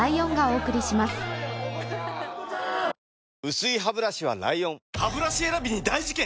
薄いハブラシは ＬＩＯＮハブラシ選びに大事件！